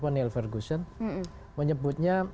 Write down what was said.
neil ferguson menyebutnya